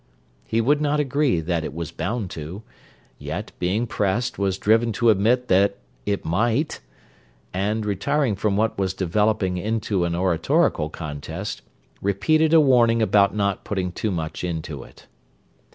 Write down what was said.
He would not agree that it was "bound to"—yet, being pressed, was driven to admit that "it might," and, retiring from what was developing into an oratorical contest, repeated a warning about not "putting too much into it."